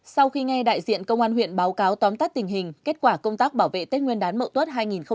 sau khi nghe đại diện công an huyện báo cáo tóm tắt tình hình kết quả công tác bảo vệ tết nguyên đán mậu tuất hai nghìn hai mươi